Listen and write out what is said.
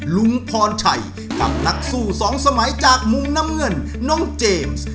ลุงพรชัยกับนักสู้สองสมัยจากมุมน้ำเงินน้องเจมส์